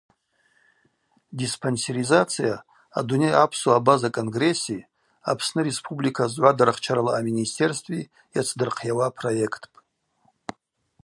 Диспансеризация – Адуней апсуа-абаза конгресси Апсны Республика згӏвадарахчарала а-Министерстви йацдырхъйауа проектпӏ.